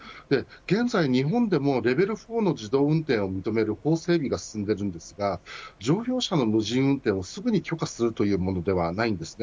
現在、日本でもレベル４の自動運転を認める法整備が進んでいますが乗用車の無人運転をすぐに許可するというものではないです。